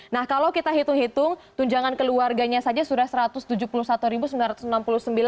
nah kalau kita hitung hitung tunjangan keluarganya saja sudah rp satu ratus tujuh puluh satu sembilan ratus enam puluh sembilan